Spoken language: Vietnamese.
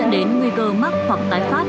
dẫn đến nguy cơ mắc hoặc tái phát